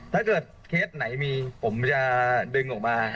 ถ้าเกิดเคสไหนมีผมจะดึงออกมา